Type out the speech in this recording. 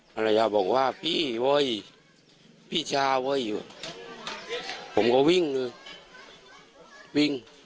ภรรยาบอกว่าพี่เว้ยพี่ชาเว้ยอยู่ผมก็วิ่งเลยวิ่ง